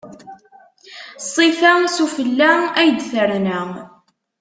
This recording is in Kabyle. Ṣṣifa, s ufella ay d-terna.